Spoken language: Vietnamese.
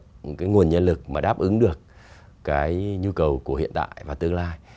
những cái nguồn nhân lực mà đáp ứng được cái nhu cầu của hiện tại và tương lai